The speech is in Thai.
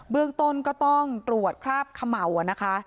เรื่องต้นก็ต้องตรวจคราบเขม่านะคะ